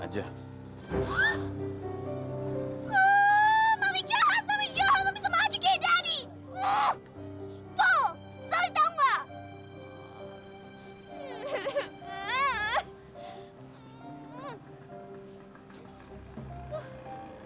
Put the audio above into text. ah mami jahat mami jahat